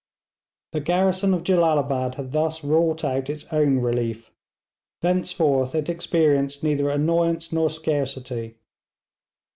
The garrison of Jellalabad had thus wrought out its own relief. Thenceforth it experienced neither annoyance nor scarcity.